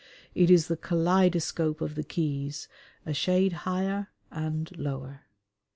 It is the kaleidoscope of the quays, a shade higher and ... lower.